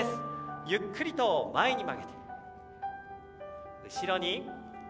ゆっくりと前に曲げて。